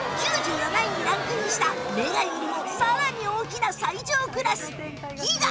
９７位にランクインしたメガよりもさらに大きな最上クラスギガ